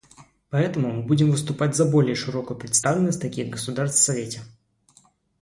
Поэтому мы будем выступать за более широкую представленность таких государств в Совете.